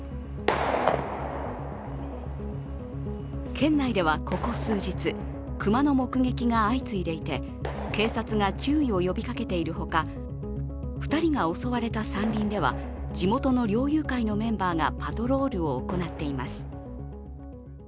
県内ではここ数日熊の目撃が相次いでいて警察が注意を呼びかけているほか、２人が襲われた山林では、地元の猟友会のメンバーがパトロールを行っています。